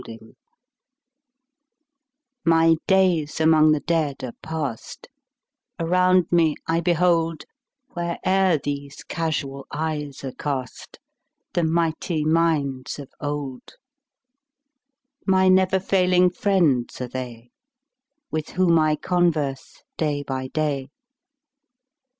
His Books MY days among the Dead are past; Around me I behold, Where'er these casual eyes are cast, The mighty minds of old: My never failing friends are they, 5 With whom I converse day by day.